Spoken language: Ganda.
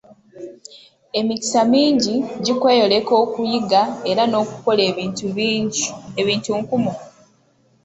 Emikisa mingi gikweyoleka okuyiga era n'okukola ebintu nkumu.